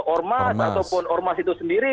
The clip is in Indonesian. ormas ataupun ormas itu sendiri